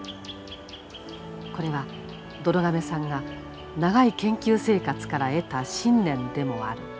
これはどろ亀さんが長い研究生活から得た信念でもある。